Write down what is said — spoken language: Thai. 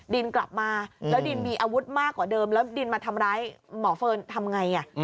กลับมาแล้วดินมีอาวุธมากกว่าเดิมแล้วดินมาทำร้ายหมอเฟิร์นทำไง